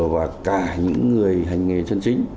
và cả những người hành nghề chân chính